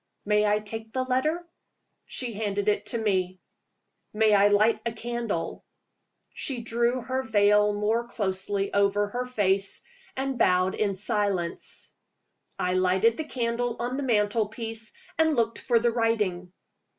"May I take the letter?" She handed it to me. "May I light a candle?" She drew her veil more closely over her face, and bowed in silence. I lighted the candle on the mantel piece, and looked for the writing.